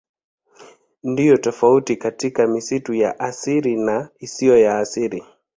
Ndiyo tofauti kati ya misitu ya asili na isiyo ya asili.